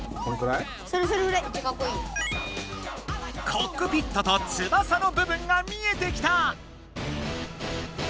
コックピットと翼の部分が見えてきた！